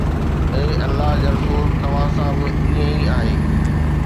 اي الله جا رسول، توهان سان به ائين ئي آهي؟